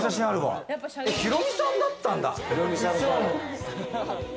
ヒロミさんだったんだ！